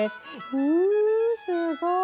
うんすごい！